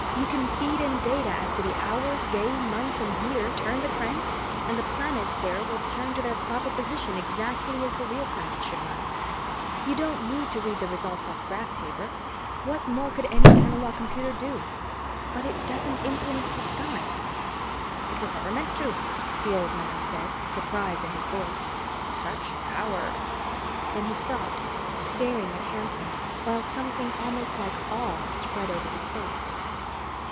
You can feed in data as to the hour, day, month and year, turn the cranks, and the planets there will turn to their proper position exactly as the real planets should run. You don't need to read the results off graph paper. What more could any analogue computer do? But it doesn't influence the sky." "It was never meant to," the old man said, surprise in his voice. "Such power " Then he stopped, staring at Hanson while something almost like awe spread over his face.